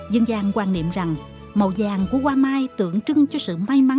dân gian quan niệm rằng màu vàng của hoa mai tượng trưng cho sự may mắn